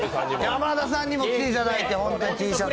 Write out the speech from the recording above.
山田さんにも来ていただいて。